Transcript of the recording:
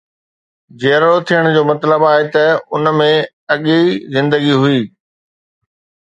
جيئرو ٿيڻ جو مطلب آهي ته ان ۾ اڳي زندگي هئي.